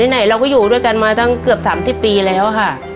ไหนเราก็อยู่ด้วยกันมาตั้งเกือบ๓๐ปีแล้วค่ะ